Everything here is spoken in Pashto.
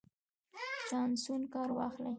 چانسونو کار واخلئ.